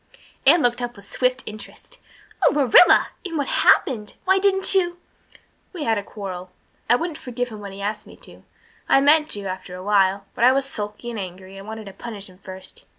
Anne looked up with swift interest. "Oh, Marilla and what happened? why didn't you " "We had a quarrel. I wouldn't forgive him when he asked me to. I meant to, after awhile but I was sulky and angry and I wanted to punish him first.